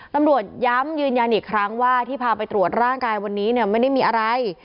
ตำรวจย้ำยืนยันอีกครั้งว่าที่พาไปตรวจร่างกายวันนี้เนี่ยไม่ได้มีอะไร